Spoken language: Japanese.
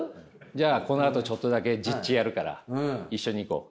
じゃあこのあとちょっとだけ実地やるから一緒に行こう。